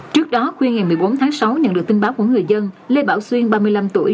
trước đó khuya ngày một mươi bốn tháng sáu nhận được tin báo của người dân lê bảo xuyên ba mươi năm tuổi